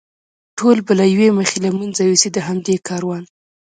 ټول به له یوې مخې له منځه یوسي، د همدې کاروان.